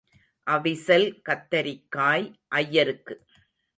அவிசல் கத்தரிக்காய் ஐயருக்கு.